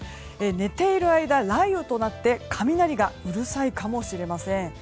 寝ている間、雷雨となって雷がうるさいかもしれません。